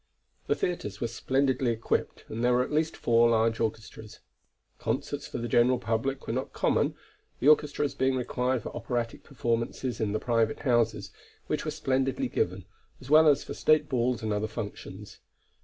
The theatres were splendidly equipped and there were at least four large orchestras. Concerts for the general public were not common, the orchestras being required for operatic performances in private houses, which were splendidly given, as well as for state balls and other functions.